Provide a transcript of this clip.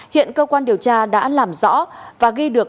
hiện cơ quan điều tra đã làm rõ và ghi được